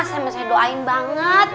saya masih doain banget